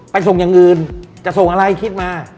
ส่งอย่างอื่นจะส่งอะไรคิดมา